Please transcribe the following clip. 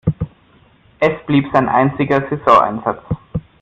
Es blieb sein einziger Saisoneinsatz.